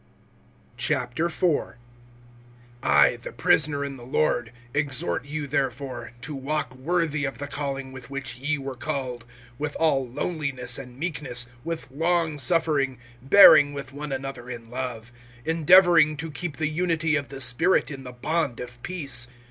IV. I, THE prisoner in the Lord, exhort you, therefore, to walk worthy of the calling with which ye were called, (2)with all lowliness and meekness, with long suffering, bearing with one another in love; (3)endeavoring to keep the unity of the Spirit in the bond of peace.